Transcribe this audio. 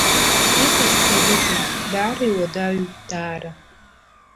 Иҟасҵарызеи, даара иуадаҩуп, даара.